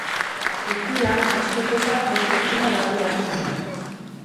Guztira, asko jota bost pertsona batu ahalko dira.